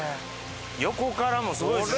横からもすごいですね！